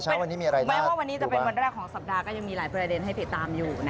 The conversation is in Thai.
แม้ว่าวันนี้จะเป็นวันแรกของสัปดาห์ก็ยังมีหลายประเด็นให้ติดตามอยู่